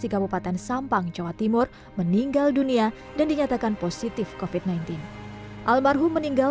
di kabupaten sampang jawa timur meninggal dunia dan dinyatakan positif kofit sembilan belas almarhum meninggal